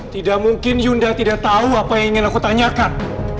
tidak mungkin yunda tidak tahu apa yang ingin aku tanyakan